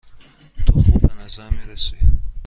تو خوب به نظر می رسی.